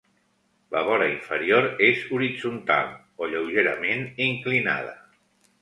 La vora inferior és horitzontal o lleugerament inclinada.